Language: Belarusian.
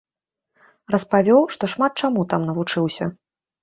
Распавёў, што шмат чаму там навучыўся.